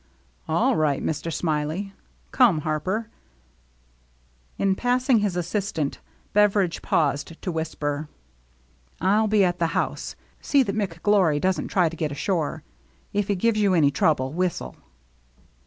" All right. Mister Smiley. Come, Harper." In passing his assistant, Beveridge paused to whisper : "I'll be at the house. See that McGlory doesn't try to get ashore. If he gives ycu any trouble, whistle."